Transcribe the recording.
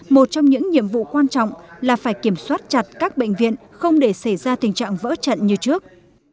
một trong những nhiệm vụ quan trọng là phải kiểm soát chặt các bệnh viện không để xảy ra tình trạng vỡ trận như trước